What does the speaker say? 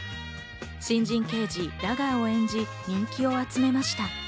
新人刑事ラガーを演じ、人気を集めました。